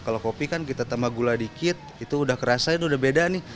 kalau kopi kan kita tambah gula dikit itu udah kerasain udah beda nih